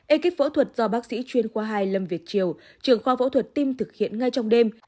ekip phẫu thuật do bác sĩ chuyên khoa hai lâm việt triều trường khoa phẫu thuật tim thực hiện ngay trong đêm